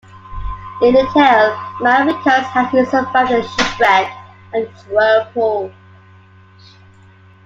In the tale, a man recounts how he survived a shipwreck and a whirlpool.